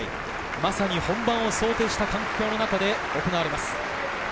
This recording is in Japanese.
まさに本番を想定した環境の中で行われます。